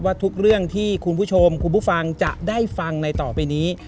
ทุกเรื่องที่คุณผู้ชมคุณผู้ฟังจะได้ฟังในต่อไปนี้